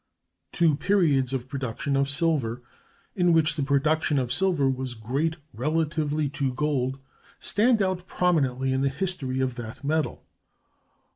Two periods of production of silver, in which the production of silver was great relatively to gold, stand out prominently in the history of that metal.